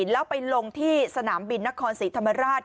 แล้วไปลงที่สนามบินนครศรีธรรมราช